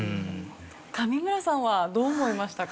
上村さんはどう思いましたか？